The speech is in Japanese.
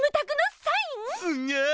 すっげえ！